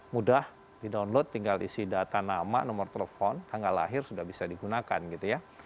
mudah di download tinggal isi data nama nomor telepon tanggal lahir sudah bisa digunakan gitu ya